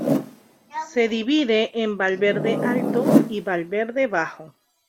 Se divide en Valverde Alto y Valverde Bajo.